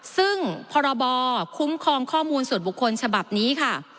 ซึ่งพรบคุ้มครองข้อมูลส่วนบุคคลฉบับนี้ค่ะ